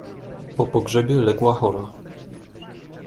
"Po pogrzebie legła chora."